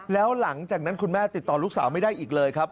แล้วหลังจากนั้นคุณแม่ติดต่อลูกสาวไม่ได้อีกเลยครับ